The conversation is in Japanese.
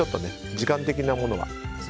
時間的なものが。